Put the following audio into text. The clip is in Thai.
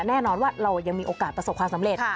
แน่นอนว่าเรายังมีโอกาสประสบความสำเร็จ